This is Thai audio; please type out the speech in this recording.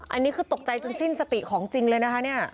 อันนี้คือตกใจจนสิ้นสติของจริงเลยนะคะเนี่ย